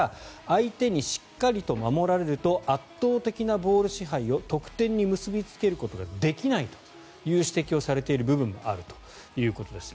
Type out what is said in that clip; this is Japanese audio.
相手にしっかりと守られると圧倒的なボール支配を得点に結びつけることができないという指摘をされている部分もあるということです。